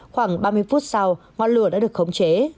khoảng ba mươi phút sau ngọn lửa đã được khống chế